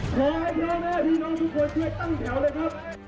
เพราะแม่พี่ล้อแม่พี่น้องทุกผู้โดยตั้งแถวเลยครับ